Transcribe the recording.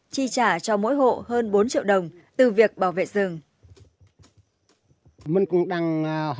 chi trả cho mỗi hộ hơn bốn triệu đồng từ việc bảo vệ rừng